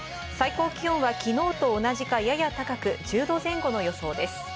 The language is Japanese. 最高気温はきのうと同じかやや高く、１０度前後の予想です。